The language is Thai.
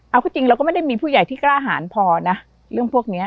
เอาก็จริงเราก็ไม่ได้มีผู้ใหญ่ที่กล้าหารพอนะเรื่องพวกเนี้ย